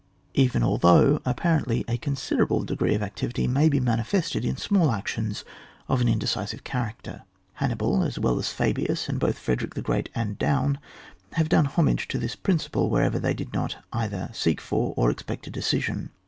XXX.] DEFENCE OF A THEATRE* OF WAR. 195^ even although, apparently, a considerable degree of activity may be manifested in small actions of an indecisive character. Hannibal as well as Fabius, and both Frederick the Great and Daun, have done homage to this principle whenever they did not either seek for or expect a de cision.